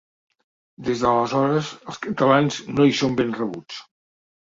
Des d’aleshores els catalans no hi són ben rebuts.